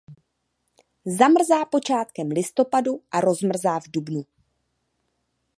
Zamrzá počátkem listopadu a rozmrzá v dubnu.